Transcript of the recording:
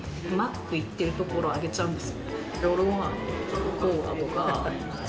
行ってるところ上げちゃうんです。